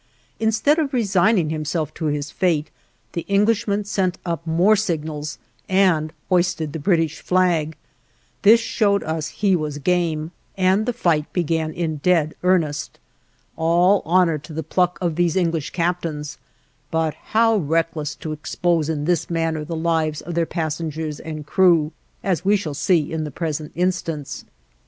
Instead of resigning himself to his fate, the Englishman sent up more signals and hoisted the British flag. This showed us he was game, and the fight began in dead earnest. All honor to the pluck of these English captains! but how reckless to expose in this manner the lives of their passengers and crew, as we shall see in the present instance.